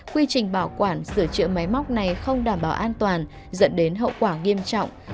quy trình bảo quản sửa chữa máy móc này không đảm bảo an toàn dẫn đến hậu quả nghiêm trọng